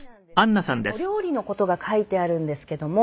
お料理の事が書いてあるんですけども。